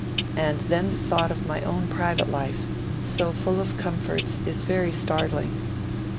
And then the thought of my own private life, so full of comforts, is very startling.'